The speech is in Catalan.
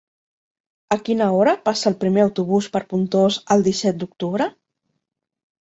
A quina hora passa el primer autobús per Pontós el disset d'octubre?